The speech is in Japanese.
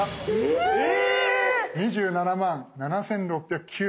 ２７万７，６９４円。